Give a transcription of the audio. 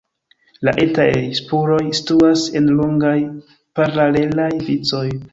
La etaj spuroj situas en longaj, paralelaj vicoj.